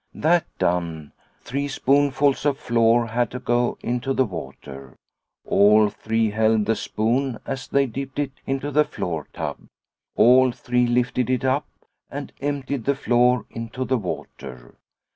That done, three spoonfuls of flour had to go into the water. All three held the spoon as they dipped it into the flour tub, all three lifted it up, and emptied the flour into the water.